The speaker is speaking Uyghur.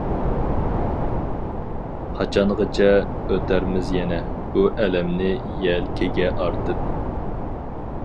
قاچانغىچە ئۆتەرمىز يەنە، بۇ ئەلەمنى يەلكىگە ئارتىپ.